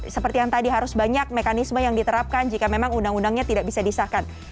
seperti yang tadi harus banyak mekanisme yang diterapkan jika memang undang undangnya tidak bisa disahkan